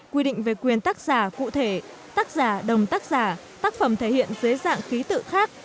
quy định về quyền tắc giả cụ thể tắc giả đồng tắc giả tác phẩm thể hiện dưới dạng khí tự khác